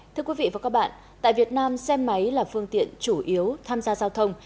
thưa quý vị và các bạn tại việt nam xe máy là phương tiện chủ yếu tham gia giao thông